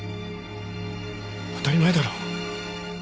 当たり前だろう。